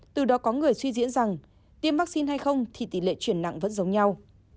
từ đó có người suy diễn rằng tiêm vaccine hay không thì tỷ lệ chuyển nặng vẫn giống nhau